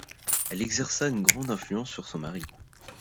Elle exerça une grande influence sur son mari.